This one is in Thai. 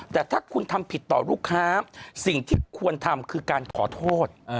แต่ถ้าคุณทำผิดต่อลูกค้าสิ่งที่ควรทำคือการขอโทษ